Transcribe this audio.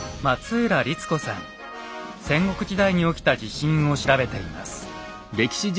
戦国時代に起きた地震を調べています。